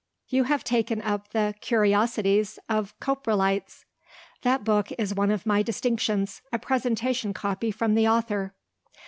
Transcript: You have taken up the 'Curiosities of Coprolites.' That book is one of my distinctions a presentation copy from the author."